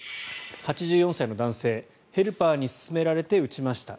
８４歳の男性ヘルパーに勧められて打ちました。